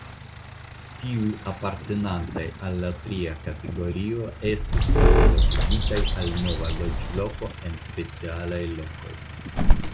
Tiuj apartenantaj al la tria kategorio estis translokigitaj al nova loĝloko en specialaj lokoj.